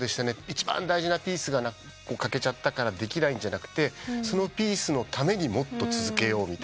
一番大事なピースが欠けちゃったからできないんじゃなくてそのピースのためにもっと続けようみたいな感じの。